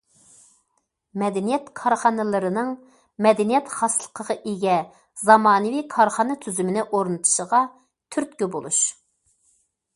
مەدەنىيەت كارخانىلىرىنىڭ مەدەنىيەت خاسلىقىغا ئىگە زامانىۋى كارخانا تۈزۈمىنى ئورنىتىشىغا تۈرتكە بولۇش.